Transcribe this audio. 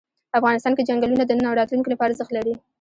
افغانستان کې چنګلونه د نن او راتلونکي لپاره ارزښت لري.